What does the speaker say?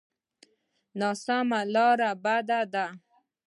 ناسمه لاره بده ده.